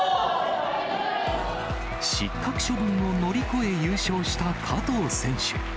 失格処分を乗り越え、優勝した加藤選手。